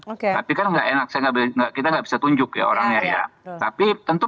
oke tapi kan enggak enak saya nggak bisa kita nggak bisa tunjuk ya orangnya ya tapi tentu